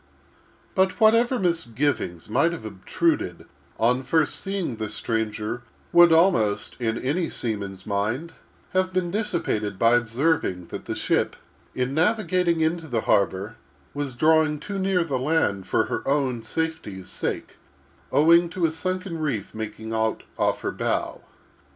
But whatever misgivings might have obtruded on first seeing the stranger, would almost, in any seaman's mind, have been dissipated by observing that, the ship, in navigating into the harbor, was drawing too near the land; a sunken reef making out off her bow.